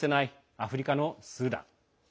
アフリカのスーダン。